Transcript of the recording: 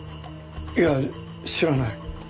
いや知らない。